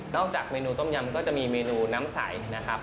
จากเมนูต้มยำก็จะมีเมนูน้ำใสนะครับ